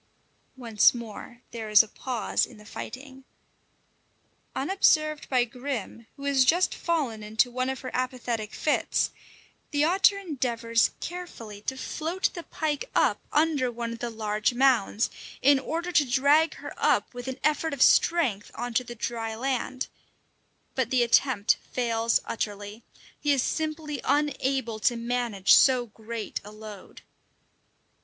Once more there is a pause in the fighting. Unobserved by Grim, who has just fallen into one of her apathetic fits, the otter endeavours carefully to float the pike up under one of the large mounds, in order to drag her up with an effort of strength on to dry land; but the attempt fails utterly: he is simply unable to manage so great a load.